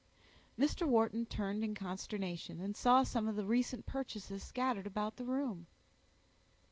Mr. Wharton turned in consternation, and saw some of the recent purchases scattered about the room.